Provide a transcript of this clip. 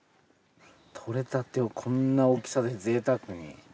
採れたてをこんな大きさでぜいたくに。